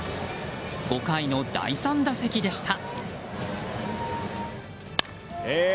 ５回の第３打席でした。